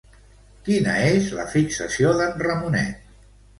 Quina és la fixació d'en Ramonet?